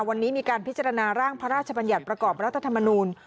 วันนี้มีการพิจารณาร่างพระราชบัญญัติประกอบรัฐธรรมนูล